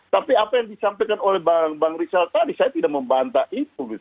tapi apa yang disampaikan oleh bang rizal tadi saya tidak membantah itu